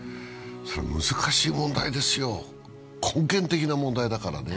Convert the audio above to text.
難しい問題ですよ、根源的な問題だからね。